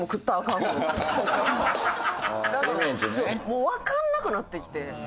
もうわかんなくなってきて。